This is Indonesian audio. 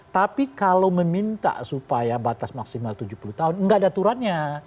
tapi kalau meminta supaya batas maksimal tujuh puluh tahun nggak ada aturannya